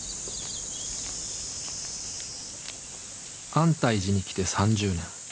安泰寺に来て３０年。